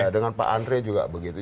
dengan pak andre juga begitu